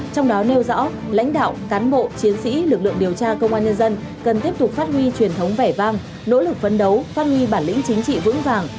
trong đó nêu rõ lãnh đạo cán bộ chiến sĩ lực lượng điều tra công an nhân dân cần tiếp tục phát huy truyền thống vẻ vang nỗ lực phấn đấu phát huy bản lĩnh chính trị vững vàng